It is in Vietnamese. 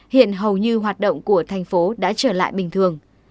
hiện hầu như hoạt động của thành phố đã trở lại bình thường